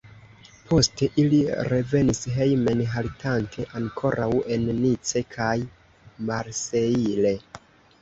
Poste ili revenis hejmen haltante ankoraŭ en Nice kaj Marseille.